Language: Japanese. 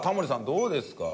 どうですか？